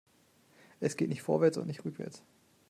Es geht nicht vorwärts und nicht rückwärts.